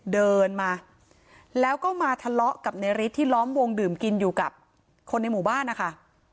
เดินมาแล้วก็มาทะเลาะกับในฤทธิที่ล้อมวงดื่มกินอยู่กับคนในหมู่บ้านนะคะ